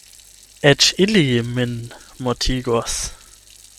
Eĉ ili min mortigos.